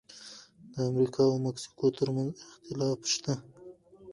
د امریکا او مکسیکو ترمنځ اختلاف شته.